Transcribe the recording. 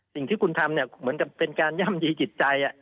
สิ่งที่คุณทำเนี่ยเหมือนกับเป็นการย่ำยีจิตใจ